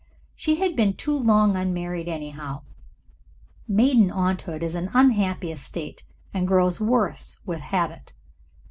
She had been too long unmarried, anyhow. Maiden aunthood is an unhappy estate, and grows worse with habit.